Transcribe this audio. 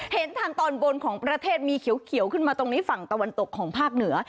เห็นทางตอนบนของประเทศมีเขียวขึ้นมาตรงนี้ฝั่งตะวันตกของภาคเหนือ